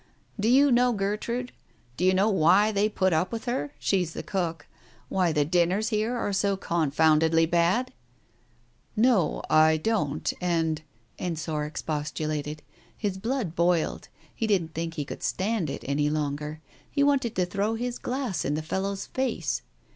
... Do you know Gertrude? Do you know why they put up with her — she's the cook — why the dinners here are so confoundedly bad ?"— "No, I don't, and " Ensor expostulated. His blood boiled, he didn't think he could stand it any longer, he wanted to throw his glass in the fellow's face.